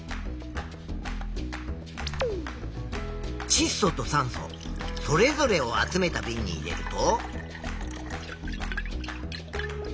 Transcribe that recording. ちっ素と酸素それぞれを集めたびんに入れると。